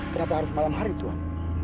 kenapa harus malam hari tuhan